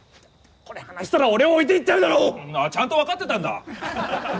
これ放したら俺を置いて行っちゃうだろう！ちゃんと分かってたんだ。